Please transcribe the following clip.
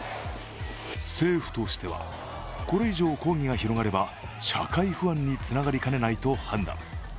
政府としては、これ以上、抗議が広がれば社会不安につながりかねないと判断。